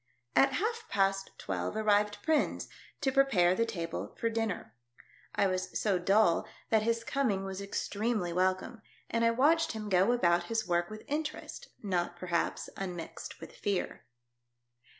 At half past twelve arrived Prins, to pre pare the table for dinner. I was so dull that IMOGENE SAYS SHE WILL TRUST ME. 1 63 his coming was extremely welcome, and I watched him go about his work with interest, not, perhaps, unmixed with fear.